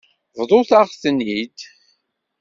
Bḍut-aɣ-ten-id.